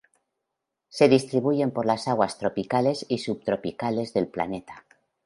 Se distribuyen por las aguas tropicales y subtropicales del planeta.